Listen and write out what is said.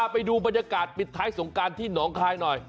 ไปดูบรรยากาศปิดท้ายสงการที่หนองคายหน่อย